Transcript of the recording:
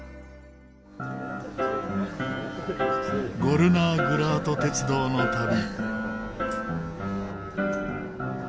ゴルナーグラート鉄道の旅。